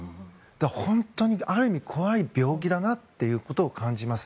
本当にある意味怖い病気だなと感じます。